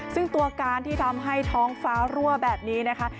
ซึ่งตัวการที่ทำให้ท้องฟ้ารั่วแบบนี้นะคะ